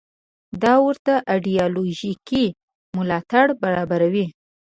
دا ورته ایدیالوژیکي ملاتړ برابروي.